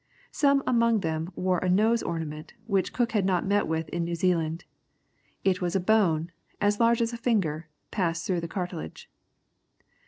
Some among them wore a nose ornament which Cook had not met with in New Zealand. It was a bone, as large as a finger, passed through the cartilage.